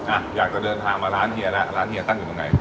อ่ะอยากจะเดินทางมาร้านเฮียแล้วร้านเฮียตั้งอยู่ตรงไหน